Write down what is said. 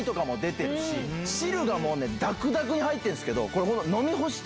汁がダクダクに入ってるんすけど。